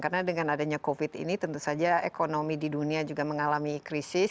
karena dengan adanya covid ini tentu saja ekonomi di dunia juga mengalami krisis